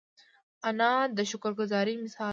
انا د شکر ګذاري مثال ده